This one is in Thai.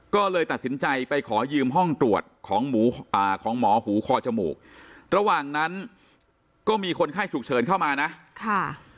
ก็เลยตัดสินใจไปขอยืมห้องตรวจของหมูอ่าของหมอหูคอจมูกระหว่างนั้นก็มีคนไข้ฉุกเฉินเข้ามานะค่ะ